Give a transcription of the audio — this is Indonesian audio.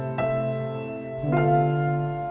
pagi pagi siapa yang dikutuk dan kenapa